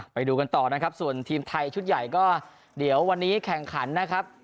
ไปดูกันต่อนะครับส่วนทีมไทยชุดใหญ่ก็เดี๋ยววันนี้แข่งขันนะครับ